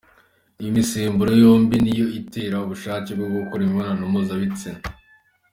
Iyi misemburo yombi niyo itera ubushake bwo gukora imibonano mpuzabitsina.